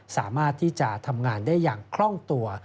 สามารถที่จะทำงานได้อย่างคล่องตัว